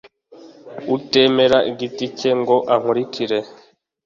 Utemera igiti cye ngo ankurikire